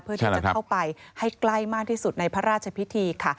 เพื่อที่จะเข้าไปให้ใกล้มากที่สุดในพระราชพิธีค่ะ